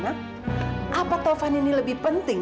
apa taufan ini lebih penting